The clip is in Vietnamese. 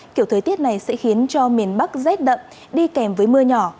kiểu thời tiết này sẽ khiến cho miền bắc rét đậm đi kèm với mưa nhỏ